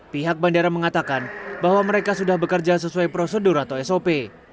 pihak bandara mengatakan bahwa mereka sudah bekerja sesuai prosedur atau sop